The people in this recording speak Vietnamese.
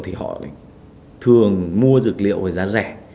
thì họ thường mua dược liệu với giá rẻ